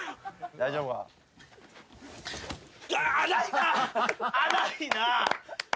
大丈夫か？